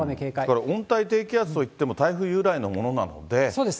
これ、温帯低気圧といっても、台風由来のものなので。